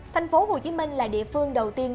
thành phố hồ chí minh là địa phương đầu tiên